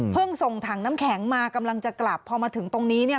ส่งถังน้ำแข็งมากำลังจะกลับพอมาถึงตรงนี้เนี่ย